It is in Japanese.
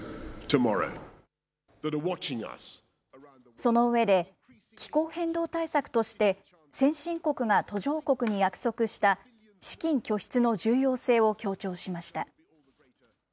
その上で、気候変動対策として、先進国が途上国に約束した資金拠出の重要性を強調しました。